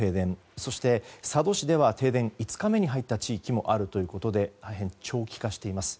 そして、佐渡市では停電が５日目に入った地域もあり大変、長期化しています。